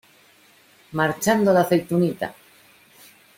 marchando la aceitunita.